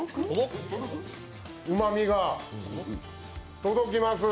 うまみが届きます。